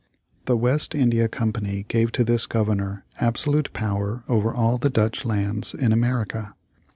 The West India Company gave to this Governor absolute power over all the Dutch lands in America.